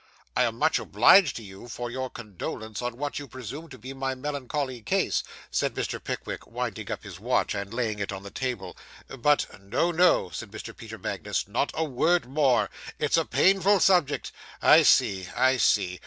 'I am much obliged to you, for your condolence on what you presume to be my melancholy case,' said Mr. Pickwick, winding up his watch, and laying it on the table, 'but ' 'No, no,' said Mr. Peter Magnus, 'not a word more; it's a painful subject. I see, I see.